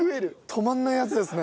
止まらないやつですね。